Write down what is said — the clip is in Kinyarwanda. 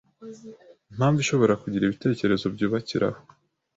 Impamvu ishobora kugira ibitekerezo byubakiraho